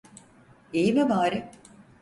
İyi mi bari?